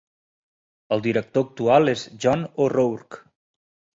El director actual és John O'Rourke.